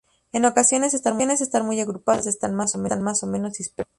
En ocasiones, están muy agrupados, en otras están más o menos dispersos.